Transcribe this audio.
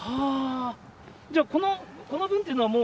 じゃあ、この分っていうのは、もう？